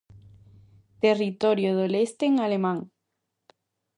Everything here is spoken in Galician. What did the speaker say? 'Territorio do Leste' en alemán.